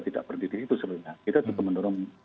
tidak berdiri di situ sebenarnya kita juga menurunkan